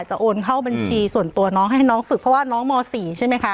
โอนเข้าบัญชีส่วนตัวน้องให้น้องฝึกเพราะว่าน้องม๔ใช่ไหมคะ